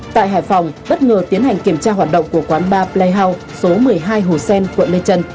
tại hải phòng bất ngờ tiến hành kiểm tra hoạt động của quán bar playhouse số một mươi hai hồ sen quận lê trần